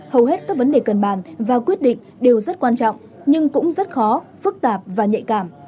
hầu hết các vấn đề cần bàn và quyết định đều rất quan trọng nhưng cũng rất khó phức tạp và nhạy cảm